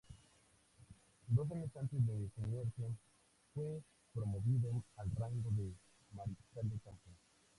Dos años antes de su muerte fue promovido al rango de mariscal de campo.